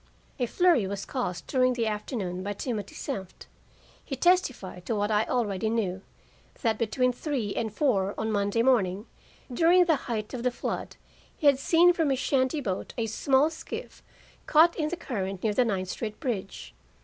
A flurry was caused during the afternoon by Timothy Senft. He testified to what I already knew that between three and four on Monday morning, during the height of the flood, he had seen from his shanty boat a small skiff caught in the current near the Ninth Street bridge.